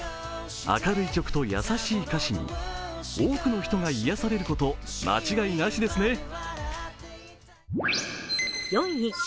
明るい曲と優しい歌詞に多くの人が癒やされること間違いなしですね。